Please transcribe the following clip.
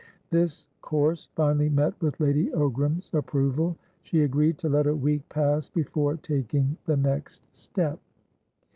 This course finally met with Lady Ogram's approval; she agreed to let a week pass before taking the next step.